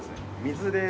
水で。